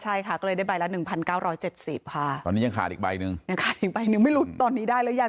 ใช่ค่ะก็เลยได้ใบละ๑๙๗๐ค่ะตอนนี้ยังขาดอีกใบหนึ่งยังขาดอีกใบหนึ่งไม่รู้ตอนนี้ได้หรือยัง